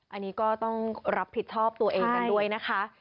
อันนี้ก็ต้องรับผิดชอบตัวเองกันด้วยนะคะ